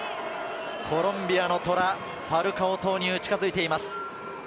コロンビアの虎、ファルカオ投入、近づいています。